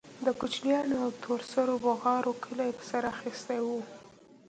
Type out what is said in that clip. د کوچنيانو او تور سرو بوغارو کلى په سر اخيستى و.